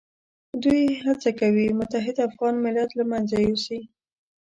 دوی هڅه کوي متحد افغان ملت له منځه یوسي.